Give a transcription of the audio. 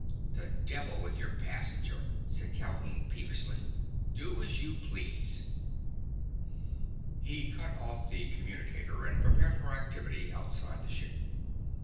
"To the devil with your passenger!" said Calhoun peevishly. "Do as you please!" He cut off the communicator and prepared for activity outside the ship.